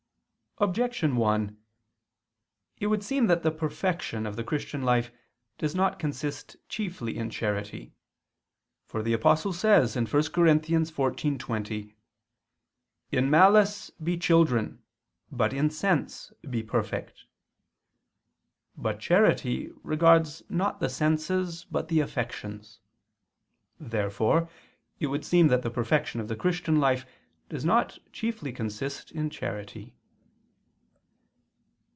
Objection 1: It would seem that the perfection of the Christian life does not consist chiefly in charity. For the Apostle says (1 Cor. 14:20): "In malice be children, but in sense be perfect." But charity regards not the senses but the affections. Therefore it would seem that the perfection of the Christian life does not chiefly consist in charity.